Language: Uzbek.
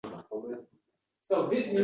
Orzular ham orzuligicha qolib ketdi.